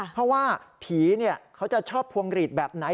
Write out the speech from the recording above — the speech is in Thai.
เพราะว่าผีเขาจะชอบพวงหลีดแบบไหน